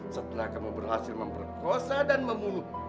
setelah kamu berhasil memperkosa dan membunuh